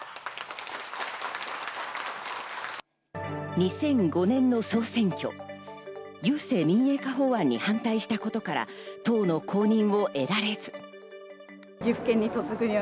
２００５年の総選挙、郵政民営化法案に反対したことから、党の公認を得られず。